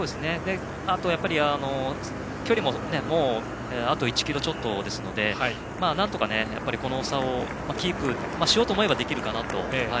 あとは、距離もあと１ｋｍちょっとですのでなんとかこの差をキープしようと思えばできるかなと。